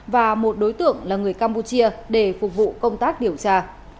và một đối tượng là người campuchia để phục vụ công tác điều tra